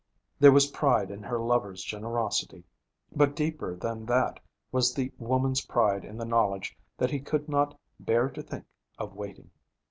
There was pride in her lover's generosity. But deeper than that was the woman's pride in the knowledge that he could not 'bear to think of waiting.'